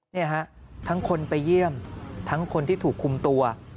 นี่ฮะทั้งคนไปเยี่ยมทั้งคนที่ถูกคุมตัว